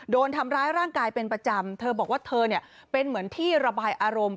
โดนทำร้ายร่างกายเป็นประจำเธอบอกว่าเธอเนี่ยเป็นเหมือนที่ระบายอารมณ์